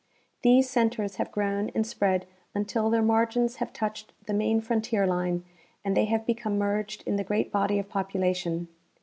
These centers have grown and s^jread until their margins have touched the main frontier line and they have become merged in the great body of population.